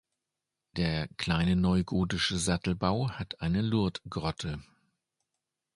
Der kleine neugotische Satteldachbau hat eine Lourdesgrotte.